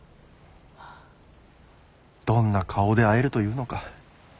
どんな顔で会えるというのか。